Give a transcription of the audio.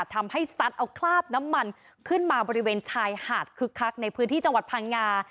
ซัดเอาคราบน้ำมันขึ้นมาบริเวณชายหาดคึกคักในพื้นที่จังหวัดพังงา